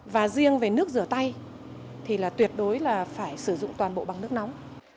và riêng về nước rửa tay thì là tuyệt đối là phải sử dụng toàn bộ bằng nước nóng